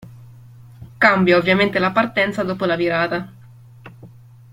Cambia ovviamente la partenza dopo la virata.